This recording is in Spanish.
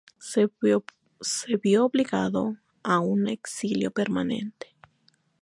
Se vio obligado a un exilio permanente.